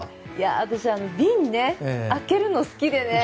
私、あの瓶を開けるのが好きでね。